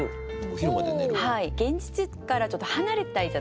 現実からちょっと離れたいじゃないですか。